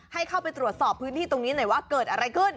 ให้เข้าไปตรวจสอบพื้นที่ตรงนี้หน่อยว่าเกิดอะไรขึ้น